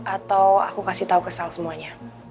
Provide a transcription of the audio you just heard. atau aku kasih tahu kesal semuanya